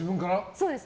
そうです。